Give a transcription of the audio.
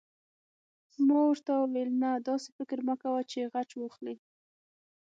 ما ورته وویل: نه، داسې فکر مه کوه چې غچ واخلې.